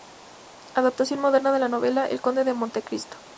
Adaptación moderna de la novela "El conde de Montecristo".